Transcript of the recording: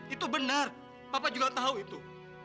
itu benar papa juga tahu itu